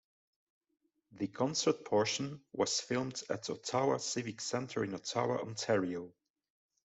The concert portion was filmed at the Ottawa Civic Centre in Ottawa, Ontario.